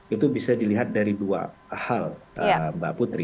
itu bisa dilihat dari dua hal mbak putri